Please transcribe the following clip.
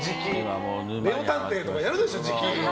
「レオ探偵」とかやるでしょじき。